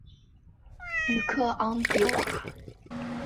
吕克昂迪瓦。